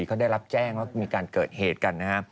เขาได้รับแจ้งว่ามีการเกิดเหตุกันนะฮะ